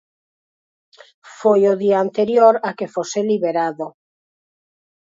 Foi o día anterior a que fose liberado.